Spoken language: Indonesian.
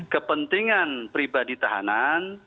kepentingan pribadi tahanan